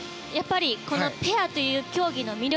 ペアという競技の魅力